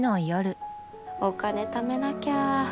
お金ためなきゃ。